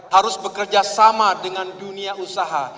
harus bekerja sama dengan dunia usaha